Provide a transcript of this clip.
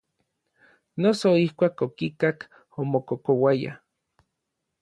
Noso ijkuak okikak omokokouaya.